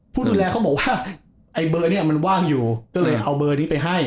ผู้ดูแลเขาบอกว่าไอ้เบอร์นี้มันว่างอยู่ก็เลยเอาเบอร์นี้ไปให้